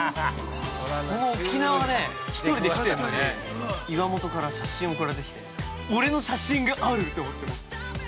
◆沖縄ね、１人で来てるのに、岩本から写真送られてきて、俺の写真があるって思って。